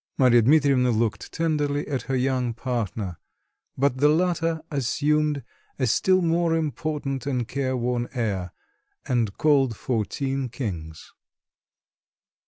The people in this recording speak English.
Marya Dmitrievna looked tenderly at her young partner, but the latter assumed a still more important and care worn air and called fourteen kings.